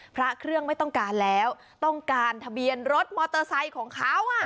พระเครื่องไม่ต้องการแล้วต้องการทะเบียนรถมอเตอร์ไซค์ของเขา